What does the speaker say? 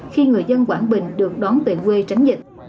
khi người dân quảng bình được đón về quê tránh dịch